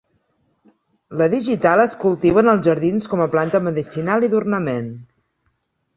La digital es cultiva en els jardins com a planta medicinal i d'ornament.